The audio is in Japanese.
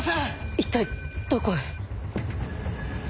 一体どこへ？